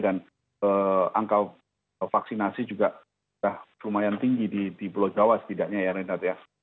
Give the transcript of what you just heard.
dan angka vaksinasi juga sudah lumayan tinggi di pulau jawa setidaknya ya renhar